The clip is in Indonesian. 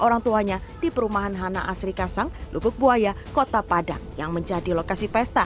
orangtuanya di perumahan hana asri kasang lubug buaya kota padang yang menjadi lokasi pesta